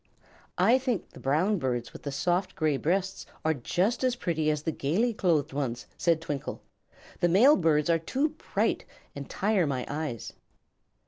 "I think the brown birds with the soft gray breasts are just as pretty as the gaily clothed ones," said Twinkle. "The male birds are too bright, and tire my eyes."